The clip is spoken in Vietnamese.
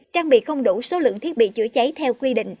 trang bị không đủ số lượng thiết bị chữa cháy theo quy định